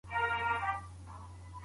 لوښي خیرن نه ساتل کېږي.